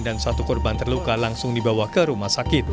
dan satu korban terluka langsung dibawa ke rumah sakit